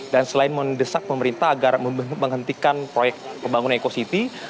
dan selain mendesak pemerintah agar menghentikan proyek pembangunan eko city